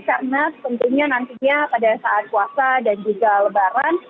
karena tentunya nantinya pada saat puasa dan juga lebaran